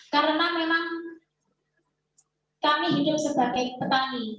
karena memang kami hidup sebagai petani